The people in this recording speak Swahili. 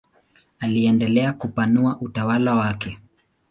Aliendelea kupanua utawala wake.